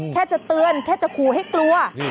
แค่จะเตือนแค่จะขู่ให้กลัว